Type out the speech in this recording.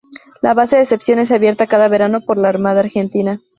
La Base Decepción es abierta cada verano por la Armada Argentina.